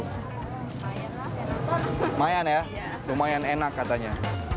lumayan lah lumayan ya lumayan enak katanya